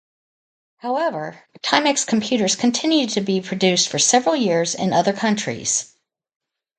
However, Timex computers continued to be produced for several years in other countries.